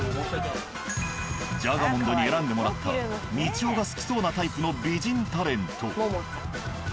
ジャガモンドに選んでもらったみちおが好きそうなタイプの美人タレント。